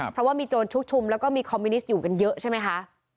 เพราะว่ามีโจรชุกชุมแล้วก็มีคอมมิวนิสต์อยู่กันเยอะใช่ไหมคะ